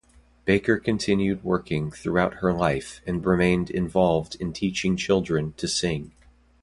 Baker continued working throughout her life and remained involved in teaching children to sing.